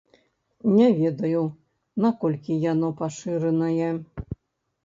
Не ведаю, наколькі яно пашыранае.